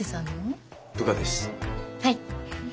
はい。